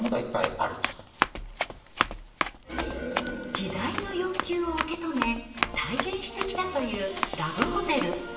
時代の欲求を受け止め体現してきたというラブホテル。